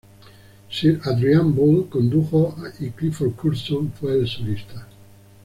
Sir Adrian Boult condujo, y Clifford Curzon fue el solista.